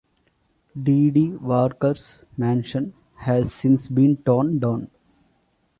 D. D. Walker's mansion has since been torn down.